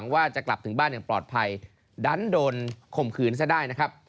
ว่าจะกลับถึงบ้านอย่างปลอดภัยดันโดนข่มขืนซะได้นะครับ